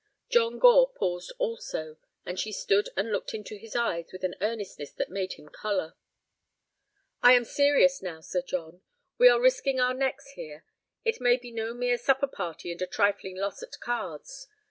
John Gore paused also, and she stood and looked into his eyes with an earnestness that made him color. "I am serious now, Sir John. We are risking our necks here; it may be no mere supper party and a trifling loss at cards.